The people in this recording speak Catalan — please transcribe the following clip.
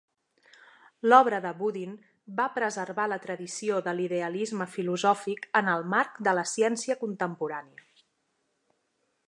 L'obra de Boodin va preservar la tradició de l'idealisme filosòfic en el marc de la ciència contemporània.